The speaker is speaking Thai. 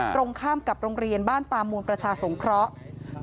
ตรงข้ามกับโรงเรียนบ้านตามูนประชาสงเคราะห์